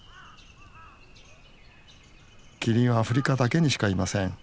キリンはアフリカだけにしかいません。